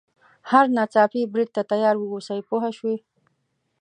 هر ناڅاپي برید ته تیار واوسي پوه شوې!.